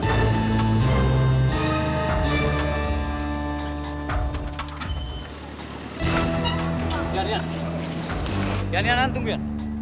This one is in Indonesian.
janian nantung ya